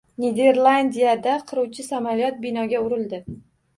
Niderlandiyada qiruvchi samolyot binoga urildi